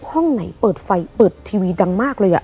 ห้องไหนเปิดไฟเปิดทีวีดังมากเลย